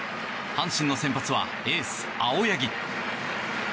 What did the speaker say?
阪神の先発はエース青柳。